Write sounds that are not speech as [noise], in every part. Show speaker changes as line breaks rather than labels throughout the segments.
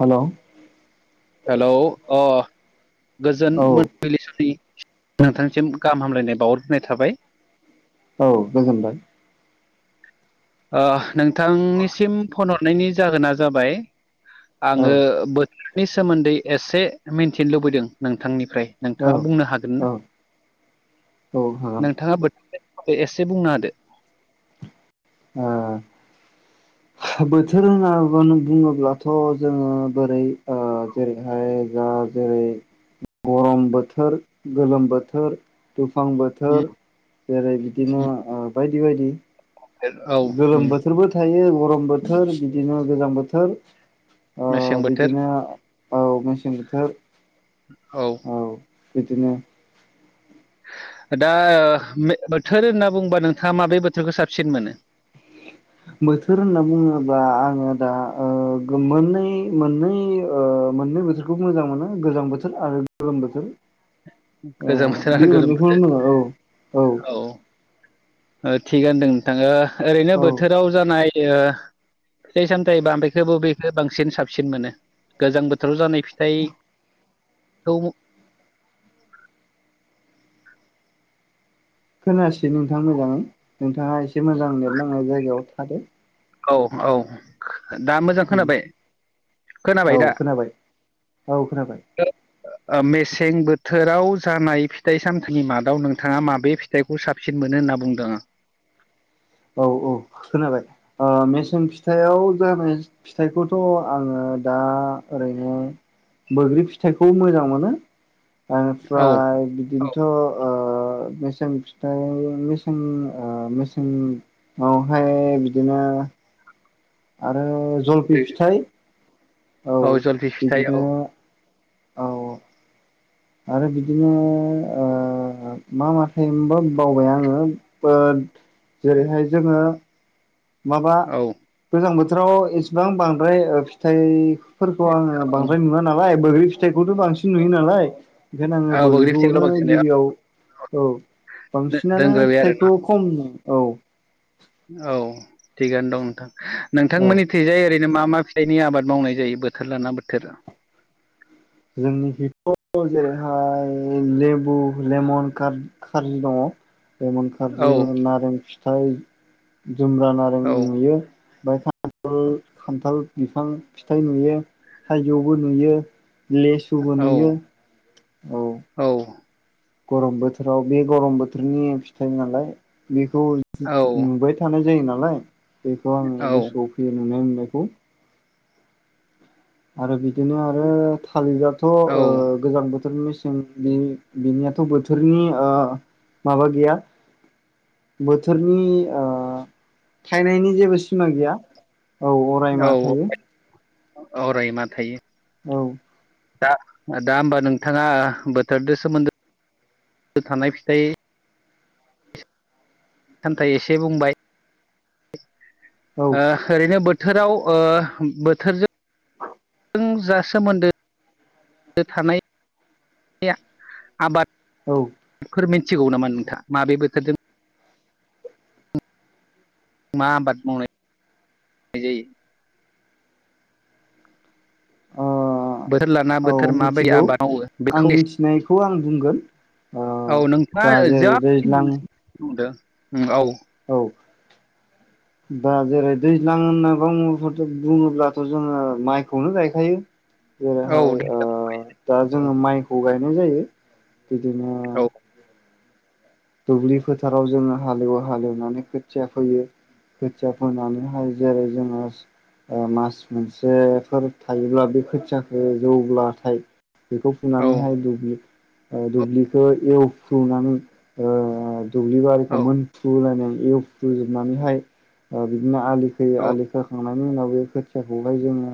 Hello
hello अ गोजोन
औ
मोनाबिलि समनि नोंथांनिसिम गाहाम हामलायनाय बावहरग्रोनाय थाबाय
औ गोजोनबाय
नोंथांनिसिम फन हरनायनि जाहोना जाबाय
औ
आङो बोथोरनि सोमोन्दै एसे मिथिनो लुबैदों नोंथांनि फ्राय
औ
नोंथाङा बुंनो हागोन
औ
ना
औ हागोन
नोंथाङा बोथोर बे एसे बुंना हादो
ओ बोथोर होननानै बुङोब्लाथ' जोङो बोरै जेरैहाय जा जेरै गरम बोथोर गोलोम बोथोर दुफां
उम,
बोथोर जेरै बिदिनो
उम,
बायदि बायदि
औ उम,
गोलोम बोथोरबो थायो गरम बोथोर बिदिनो गोजां बोथोर ओ
मेसें बोथोर
बिदिनो औ मेसें बोथोर
औ
बिदिनो
[unintelligible] दा बोथोर होनना बुंबा नोंथाङा माबे बोथोरखौ साबसिन मोनो
बोथोर होनना बुङोबा आङो दा मोननै मोननै ओ मोननै बोथोरखौ मोजां मोनो गोजां बोथोर आरो गोलोम बोथोर
गोजां बोथोर
बे
आरो गोलोम
मोनैखौनो [unintelligible] औ औ
थिगानोदों नोंथां ओ ओरैनो
औ
बोथोराव जानाय ओ फिथाइ-सामथाइ माबेखौ बबेखौ बांसिन साबसिन मोनो गोजां बोथोराव जानाय फिथाइखौ
खोनासै नोंथां मोजा नोंथाङा एसे मोजां नेट नांनाय जायगायाव थादो
औ औ दा मोजां खोनाबाय खोनाबाय
औ
दा
खोनाबाय औ खोनाबाय
मेसें बोथोराव जानाय फिथाइ सामथाइनि मादाव नोंथाङा माबे फिथाइखौ साबसिन मोनो होनना बुंदों आं
औ औ खोनाबाय मेसें फिथाइयाव जानाय फिथाइखौथ' आङो दा ओरैनो बैग्रि फिथाइखौ मोजां मोनो
औ
ओमफ्राय
औ
बिदिनोथ' मेसें फिथाइ मेसें ओ मेसें हाय बिदिनो ओ जलफि फिथाइ
औ जलफि फिथाइ
बिदिनो
औ
औ औ आरो बिदिनो मा मा थाइबो बावबाय आङो जेरैहाय जोङो माबा
औ
गोजां बोथोराव इसिबां बांद्राय फिथाइ फोरखौ आङो बांद्राय नुवा नालाय बैग्रि फिथाइखौथ' बांसिन नुयो नालाय ओंखायनो आङो
औ बैग्रि फिथाइखौल'
बैग्रिखौनो
बांसिन
गिबियाव औ बांसिनानो
दोनग्रोबाय आरोना
फिथाइखौ खमनो
औ थिगानो दं नोंथां नोंथांमोननि थिंजाय ओरै बिदिनो मा मा फिथाइनि आबाद मावनाय जायो बोथोर लाना बोथोर
जोंनि थिंथ' जेरैहाय लेबु लमन खारजि दङ लेमन खार्जि
औ
नारें फिथ फथाय जुम्रा नारें
औ
नुयो ओमफ्राय खान्थाल बिफां फिथाइ नुयो थाइजौबो नुयो लेसुबो
औ
नुयो औ गरम बोथोराव बे गरम बोथोरनि फिथाइ नालाय बे बेखौ
औ
नुबाय थानाय जायो नालाय बेखौ आङो
औ
गोसोआव फैयो नुनाय मोनुनाय औ आरो बिदिनो आरो थालिरआथ'
औ
गोजां बोथोर मेसें बिनियाथ' बोथोरनि माबा गैया बोथोरनि थायनायनि जेबो सिमा गैया औ अराय मा
औ
थायो
अरायमा थायो
औ
दा दा होमबा नोंथाङा बोथोरजों सोमोन्दो थानाय फिथाइ खामथाइ एसे बुंबाय
औ
ओरैनो बोर बोथोराव बोथोरजों जा सोमोन्दो थानाय
औ
आबाद फोर मिथिगौ नामा नोंथाङा माबे बोथोरजों मा आबाद मावनाय जायो
ओ
बोथोर लाना
औ
बोथोर माबायदि
मिथिगौ
आबाद मावो
आं
बेखौ एसे
मिथिनायखौ आं बुंगोन ओ
औ
दा
नोंथाङा जा
जेरै दैज्लां
बुंदों औ
औ
[unintelligible]
दा जेरै दैज्लां होनना बुङोब्लाथ' जोङो माइखौनो गायखायो
औ
जेरैहाय
दे
ओ दा
औ
जोङो माइखौ गायनाय जायो बिदिनो
औ
दुब्लि फोथाराव जोङो हालेवो हालेवनानै खोथिया फैयो खोथिया फोनानैहायो जेरै जोङो मास मोनसेफोर थायोब्ला बे खोथियाखौ जौब्लाथाय बेखौ
औ
फुनानैहाय दुब्लिखौ एवफुनानै ओ दुब्लि बारिखौ मोनफ्रुलायनाय एवफ्रुजोबनानै हाय ओ बिदिनो आलि खोयो
औ
आलि खोखांनायनि उनाव बे खोथियाखौहाय जोङो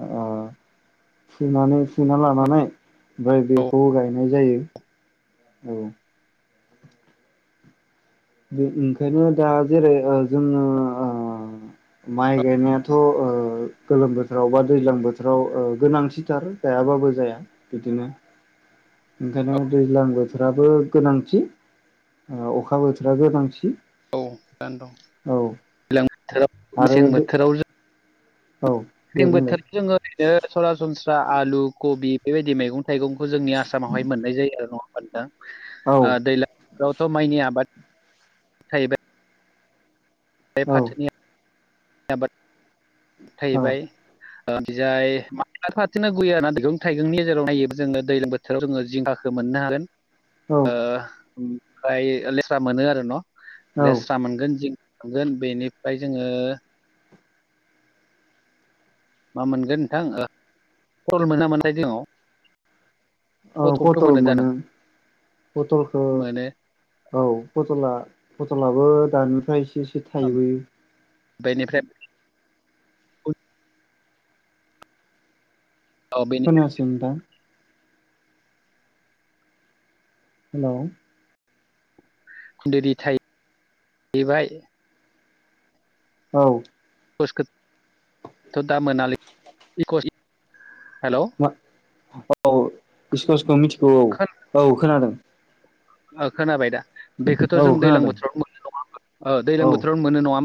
फुनानै फुना लानानै ओमफ्राय बेखौबो गायनाय जायो औ बे ओंखायनो दा जेरै जोङो माइ गायनायाथ' गोलोम बोथोराव बा दैज्लां बोथोराव गोनांसिथार गायाबाबो जाया बिदिनो
[unintelligible]
ओंखायनो दैज्लां बोथोराबो गोनांथि अखा बोथोरा गोनांथि
औ दानो दं
औ
दैज्लां बोथोराव
आरो
मेसें बोथोराव जों
औ दे
दैं
बुंलाय
बोथोराव जोङो ओरैनो सरासनस्रा आलु कबि बेबायदि मैगं थ थाइगंखौ जोंनि आसामावहाय मोननाय जायो आरो नङा
औ
मोनदों दैलां बेवथ' माइनि आबाद थाहैबाय बे
औ
फाथोनिबाद थैैबाय
औ
बिजाय मथ' हांनो गैयाना मैगं थाइगंनि गेजेराव नायो जो दैज्लां बोथोराव जोङो जिंगाखो मोनो ना हागोन
औ
। ओ ओमफ्राय लेस्रा मोनो आरो न'
औ
लेस्रा मोनगोन जि थांगोन बेनिफ्राय जोङो मा मोनगोन नोंथां कल [unintelligible]
औ खथल मोनो बथलखौ
मोनो
औ बथला फथलाबो दानिफ्राय एसे एसे थाइबोयो
बेनिफ्राय औ बेनि
खोनायासै नोंथां हेल'
खुन्दलि थाय बाय
औ
इकसथ' दा मोनालै [unintelligible] हेल'
मा औ सस्कुस खौ मिथिगौ औ औ खोनादों
खोनाबाय दा बेखौथ' जों
औ
दैज्लां
खोनादों
बोथोरावनो मोननो नङा ओ
औ
दैजलां बोथोरावनो मोनो नङा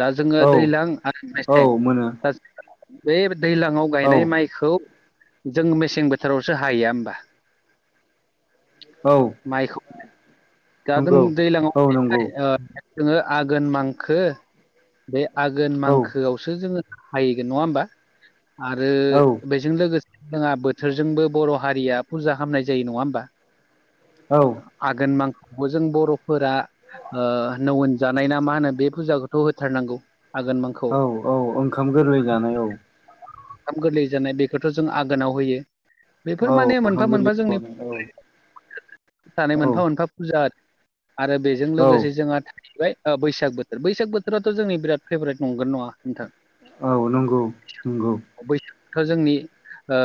दा जोङो
औ
दैलां आरो
औ
मेसें
मोनो
दा बे दैज्लाङाव
औ
गायनाय माइखौ जों मेसें बोथोरावसो हाहैया होमबा।
औ
माइखौ दा जों
नंगौ औ
दैजलाङाव
नंगौ
[unintelligible] जोङो आघोन मांखो बे आघोन
औ
मांखोआवसो जोङो हाहैगोन नङा होमबा आरो
औ
बेजों लोगोसे जोंहा बोथोरजोंबो बर' हारिया फुजा खालामामनाय जायो नङा होमबा
औ
आगोन नां बेबो जों बर'फोरा नजानाय ना मा होनो बे फुजाखौथ' होथारनांगौ आगोन मोंखौ
औ ओंखाम गोरलै जानाय औ
ओंखाम गोरलै जानाय बेखौथ' जों आगोनाव होयो बेफोर
औ
माने
ओंखाम
मोनफा
गोरलै
मोनफा जोंनि
जानाय औ
सानै मोनफा
औ
मोनफा फुजा आरो आरो बेजों
औ
लोगोसे जोंहा थाहैबाय बैसाग बोथोर बैसाग बोथोराथ' जोंनि बिराद फेभरेट नंग नङा नोंथां
औ नंगौ नंगौ
थ' जोंनि ओ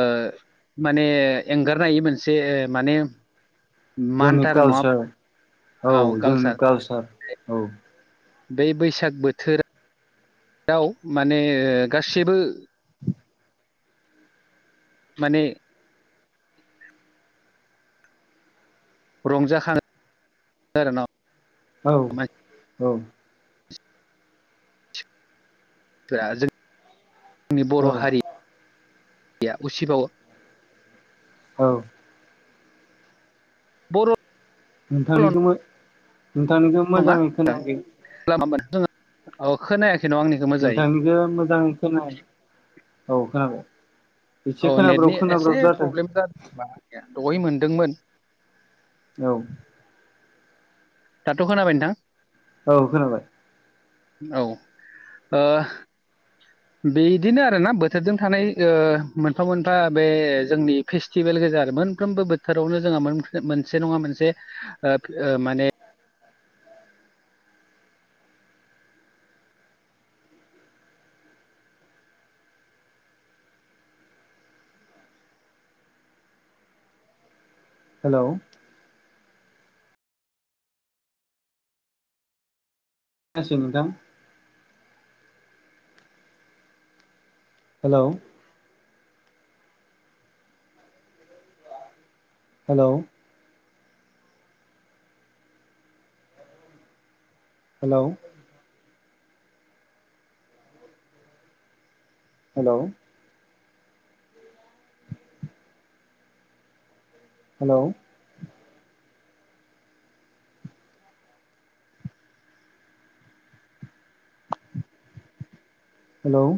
माने एंगारनाय मोनसे माने
जोंनि
मानथारो नङा
कालसार
औ कालसार बे बैसाग बोथोरा दाव माने गासिबो माने रंजाखां आरो ना
औ औ
फ्रा जों नि बर'
औ
हारि गैया उसिबावो
औ
बर'
नोंथांनिखौबो
नङा ओं [unintelligible] औ खोनायाखै न' आंनिखौ मोजाङै
नोंथांनिखौ मोजाङै खोनाया औ खोनाबाय ।
औ नेटनि एसे प्रब्लेम जादोंबा दहै मोनदोंमोन ।
औ
दाथ' खोनाबाय नोंथां ।
औ खोनाबाय ।
औ ओ बेदिनो आरोना बोथोरजों थानाय मोनफा मोनफा बे जोंनि फेस्टिभेल गेजेर मोनफ्रोमबो बोथोरावनो जोंहा मोनसे नङा मोनसे माने
हेल' [unintelligible] हेल' हेल' हेल' हेल' हेल' हेल'